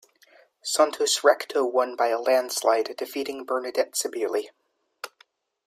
Santos-Recto won by a landslide, defeating Bernadette Sabili.